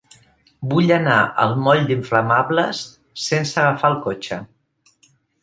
Vull anar al moll d'Inflamables sense agafar el cotxe.